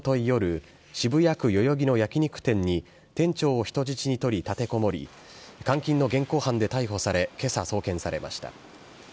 夜、渋谷区代々木の焼き肉店に、店長を人質に取り立てこもり、監禁の現行犯で逮捕され、けさ、送検されました。